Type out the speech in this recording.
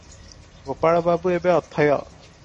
ଗୋପାଳବାବୁ ଏବେ ଅଥୟ ।